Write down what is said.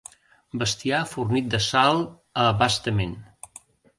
Bestiar fornit de sal a bastament.